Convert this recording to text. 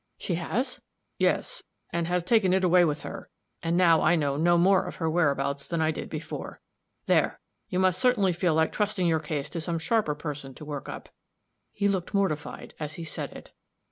"She has?" "Yes. And has taken it away with her. And now I know no more of her whereabouts than I did before. There! You must certainly feel like trusting your case to some sharper person to work up" he looked mortified as he said it.